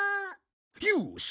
よし。